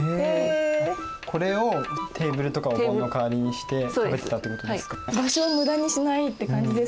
これをテーブルとかお盆の代わりにして食べてたってことですか。